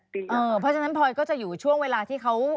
เพราะฉะนั้นพลอยก็จะอยู่ช่วงเวลาที่เขา